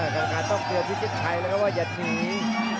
กำลังการต้องเตรียมที่จิ๊ดชัยนะครับว่าอย่าหนี